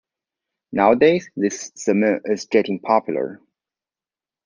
Nowadays, this summit is getting popular.